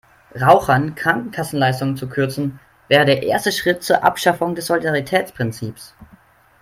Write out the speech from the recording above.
Rauchern Krankenkassenleistungen zu kürzen wäre der erste Schritt zur Abschaffung des Solidaritätsprinzips.